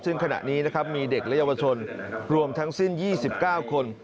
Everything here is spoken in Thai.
ซึ่งขณะนี้นะครับมีเด็กและเยาวชนรวมทั้งสิ้น๒๙คน